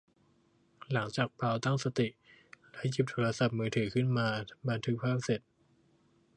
หลังจากบราวน์ตั้งสติและหยิบโทรศัพท์มือถือขึ้นมาบันทึกภาพเสร็จ